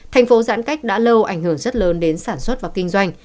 thành phố giãn cách đã lâu ảnh hưởng rất lớn đến sản xuất và kinh doanh